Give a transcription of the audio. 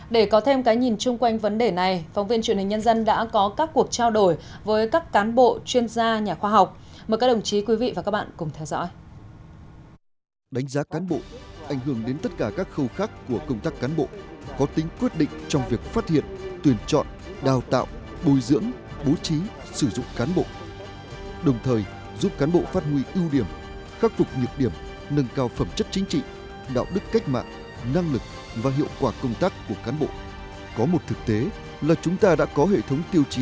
để có thêm cái nhìn chung quanh vấn đề này phóng viên truyền hình nhân dân đã có các cuộc trao đổi với các cán bộ chuyên gia nhà khoa học mời các đồng chí quý vị và các bạn cùng theo dõi